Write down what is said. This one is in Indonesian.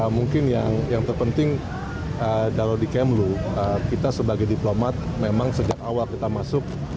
mungkin yang terpenting kalau di kemlu kita sebagai diplomat memang sejak awal kita masuk